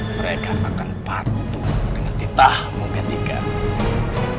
mereka akan patuh dengan titah menggantikan